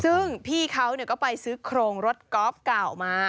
ซึ่งพี่เขาก็ไปซื้อโครงรถกอล์ฟเก่ามา